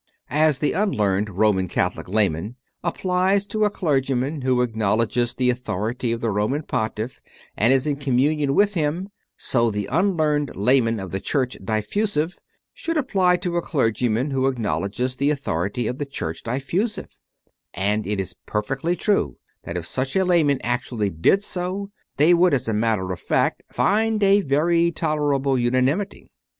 As the unlearned Roman Catholic layman applies to a clergyman who acknowledges the authority of the Roman Pontiff and is in communion with him, so the unlearned layman of the Church Diffusive should apply to a clergyman who acknowledged the author ity of the Church Diffusive; and it is perfectly true that if such laymen actually did so, they would, as a matter of fact, find a very tolerable unanimity.